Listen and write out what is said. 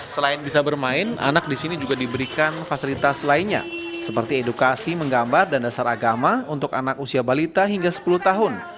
selain bisa bermain anak di sini juga diberikan fasilitas lainnya seperti edukasi menggambar dan dasar agama untuk anak usia balita hingga sepuluh tahun